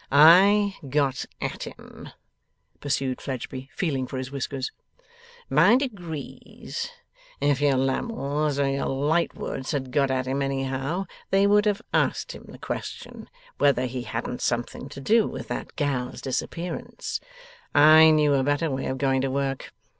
'I got at him,' pursued Fledgeby, feeling for his whisker, 'by degrees. If your Lammles or your Lightwoods had got at him anyhow, they would have asked him the question whether he hadn't something to do with that gal's disappearance. I knew a better way of going to work.